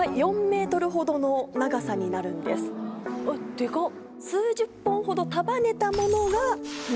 でかっ！